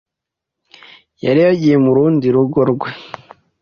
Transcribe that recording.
Yari yaragiye mu rundi rugo rwe